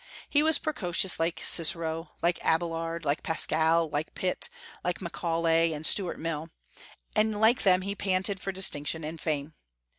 He was precocious, like Cicero, like Abélard, like Pascal, like Pitt, like Macaulay, and Stuart Mill; and like them he panted for distinction and fame.